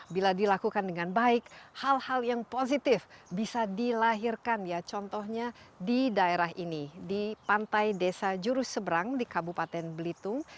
bila dilakukan dengan baik hal hal yang positif bisa dilahirkan ya contohnya di daerah ini di pantai desa jurusebrang di kabupaten belitung